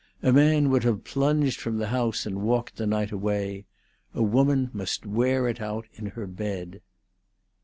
A man would have plunged from the house and walked the night away; a woman must wear it out in her bed.